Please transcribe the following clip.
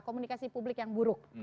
komunikasi publik yang buruk